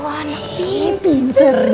wah anaknya pinter